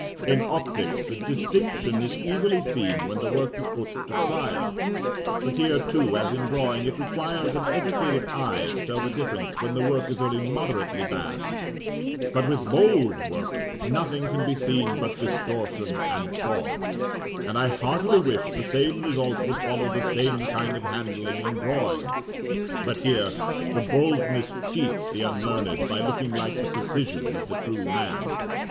In optics the distinction is easily seen when the work is put to trial; but here too, as in drawing, it requires an educated eye to tell the difference when the work is only moderately bad; but with "bold" work, nothing can be seen but distortion and fog: and I heartily wish the same result would follow the same kind of handling in drawing; but here, the boldness cheats the unlearned by looking like the precision of the true man.